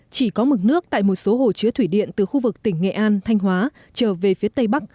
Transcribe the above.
chỉ có mực nước tại một số hồ chứa thủy điện từ khu vực tỉnh nghệ an thanh hóa trở về phía tây bắc